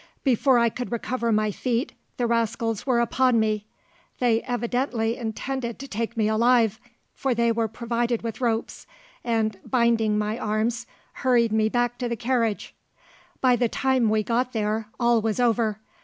Before I could recover my feet, the rascals were upon me. They evidently intended to take me alive, for they were provided with ropes, and, binding my arms, hurried me back to the carriage. "By the time we got there, all was over.